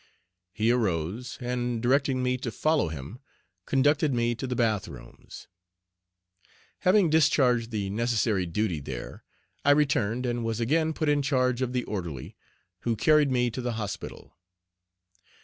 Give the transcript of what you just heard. He arose, and directing me to follow him, conducted me to the bath rooms. Having discharged the necessary duty there, I returned and was again put in charge of the orderly, who carried me to the hospital.